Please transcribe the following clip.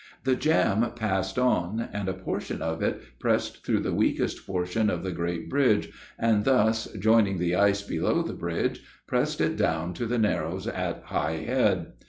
The jam passed on, and a portion of it pressed through the weakest portion of the great bridge, and thus, joining the ice below the bridge, pressed it down to the narrows at High Head.